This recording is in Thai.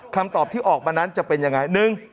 คำตอบที่ออกมานั้นจะเป็นยังไง